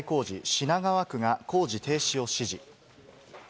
品川区が工事停止を指示。